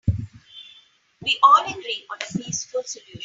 We all agree on a peaceful solution.